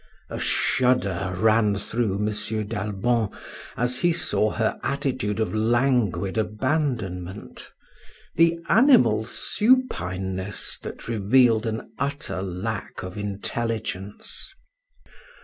A shudder ran through M. d'Albon as he saw her attitude of languid abandonment, the animal supineness that revealed an utter lack of intelligence.